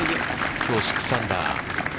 きょう、６アンダー。